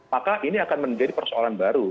maka ini akan menjadi persoalan baru